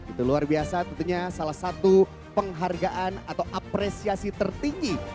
itu luar biasa tentunya salah satu penghargaan atau apresiasi tertinggi